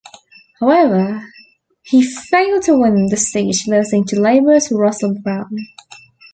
However he failed to win the seat, losing to Labour's Russell Brown.